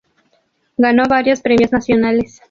Ganó varios premios nacionales.